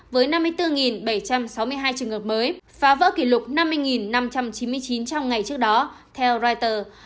với năm mươi bốn bảy trăm sáu mươi hai trường hợp mới phá vỡ kỷ lục năm mươi năm trăm chín mươi chín trong ngày trước đó theo reuters